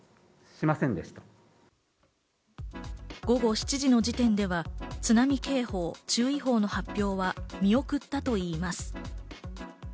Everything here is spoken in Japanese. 午後７時の時点では津波警報・注意報の発表は見送ったといいます。